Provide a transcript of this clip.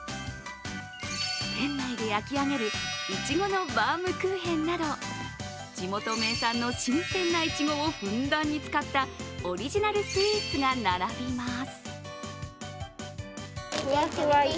店内で焼き上げるいちごのバウムクーヘンなど地元名産の新鮮ないちごをふんだんに使ったオリジナルスイーツが並びます。